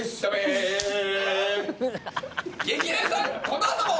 このあとも。